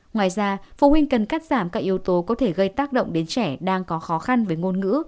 ngoài ra phụ huynh cần cắt giảm các yếu tố có thể gây tác động đến trẻ đang có khó khăn với ngôn ngữ